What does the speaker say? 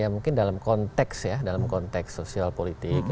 mungkin dalam konteks sosial politik